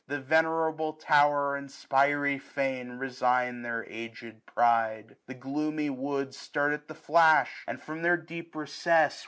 The venerable tower and spiry fene Resign their aged pride. The gloomy woods Start at the flash, and from their deep recess.